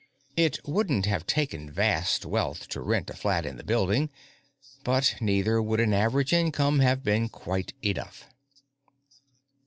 It wouldn't have taken vast wealth to rent a flat in the building, but neither would an average income have been quite enough.